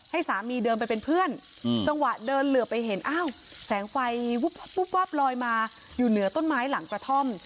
สามีเดินไปเป็นเพื่อนจังหวะเดินเหลือไปเห็นอ้าวแสงไฟวุบวับลอยมาอยู่เหนือต้นไม้หลังกระท่อม